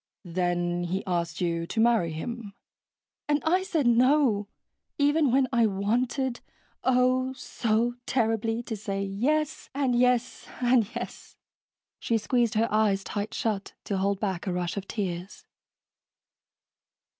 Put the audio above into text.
"Then he asked you to marry him." "And I said no, even when I wanted, oh, so terribly, to say yes and yes and yes." She squeezed her eyes tight shut to hold back a rush of tears.